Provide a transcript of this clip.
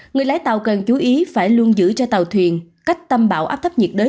người lái tàu cần chú ý phải luôn giữ cho tàu thuyền cách tâm bão áp thấp nhiệt đới